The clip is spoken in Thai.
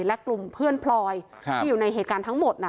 และกลุ่มเพื่อนพลอยที่อยู่ในเหตุการณ์ทั้งหมด